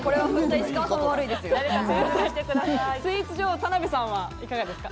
スイーツ女王・田辺さんは、いかがですか？